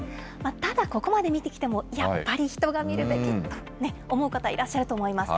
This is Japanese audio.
ただここまで見てきても、やっぱり人が見るべきと思う方、いらっしゃると思います。